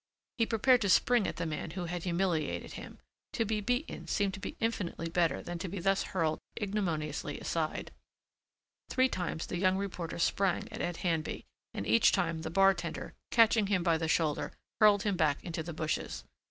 He prepared to spring at the man who had humiliated him. To be beaten seemed to be infinitely better than to be thus hurled ignominiously aside. Three times the young reporter sprang at Ed Handby and each time the bartender, catching him by the shoulder, hurled him back into the bushes.